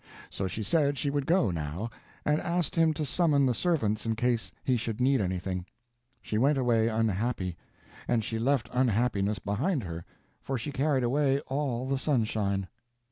So she said she would go, now, and asked him to summon the servants in case he should need anything. She went away unhappy; and she left unhappiness behind her; for she carried away all the sunshine.